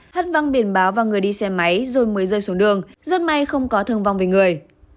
hắt văng biển báo và người đi xe máy rồi mới rơi xuống đường rất may không có thương vong về người